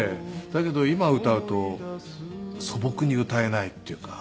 だけど今歌うと素朴に歌えないっていうか。